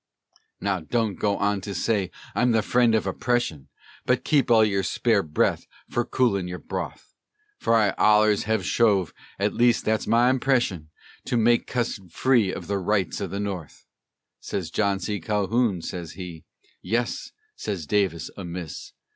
"Now don't go to say I'm the friend of oppression, But keep all your spare breath fer coolin' your broth, Fer I ollers hev strove (at least thet's my impression) To make cussed free with the rights o' the North," Sez John C. Calhoun, sez he; "Yes," sez Davis o' Miss.